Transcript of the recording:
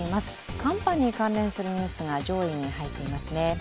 寒波に関連するニュースが上位に入っていますね。